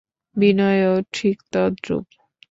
বিনয়ও ঠিক তদ্রূপ।